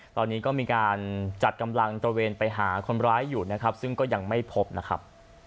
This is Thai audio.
ตอนนี้ก็มีการจัดกำลังตระเวนไปหาคนร้ายอยู่นะครับซึ่งก็ยังไม่พบนะครับ